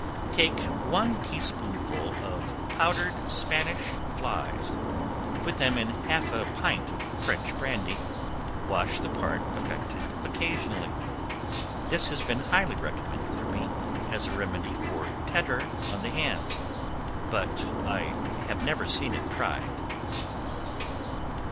Take one tea spoonful of powdered Spanish flies, put them in half a pint of French brandy; wash the part affected occasionally. This has been highly recommended to me, as a remedy for tetter on the hands, but I have never seen it tried.